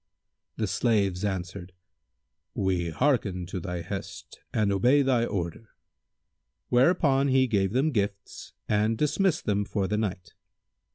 The slaves answered, "We hearken to thy hest and obey thy order." Whereupon he gave them gifts and dismissed them for the night.